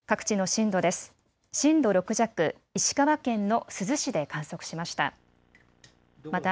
震度６弱、石川県の珠洲市で観測しました。